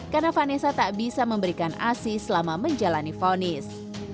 karena vanessa tak bisa memberikan asis selama menjalani fonis